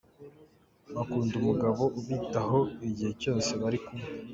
Bakunda umugabo ubitaho igihe cyose bari kumwe.